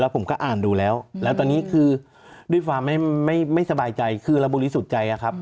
ผมก็อ่านดูแล้วแล้วตอนนี้คือด้วยความไม่สบายใจคือเราบริสุทธิ์ใจอะครับ